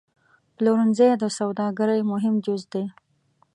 پلورنځی د سوداګرۍ مهم جز دی.